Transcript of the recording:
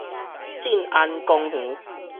進安公園